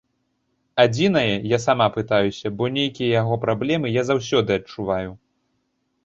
Адзінае, я сама пытаюся, бо нейкія яго праблемы я заўсёды адчуваю.